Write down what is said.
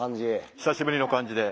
久しぶりの感じで。